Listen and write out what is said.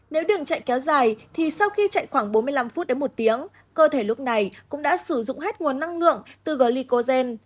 nếu đường chạy kéo dài thì sau khi chạy khoảng bốn mươi năm phút đến một tiếng cơ thể lúc này cũng đã sử dụng hết nguồn năng lượng từ glicozen